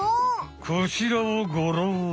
こちらをごろうじよ！